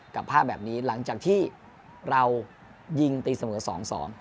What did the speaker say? ภาพแบบนี้หลังจากที่เรายิงตีเสมอสองสอง